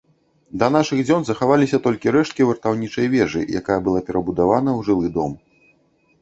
Да нашых дзён захаваліся толькі рэшткі вартаўнічай вежы, якая была перабудавана ў жылы дом.